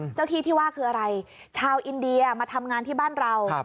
เจ้าที่ที่ว่าคืออะไรชาวอินเดียมาทำงานที่บ้านเรา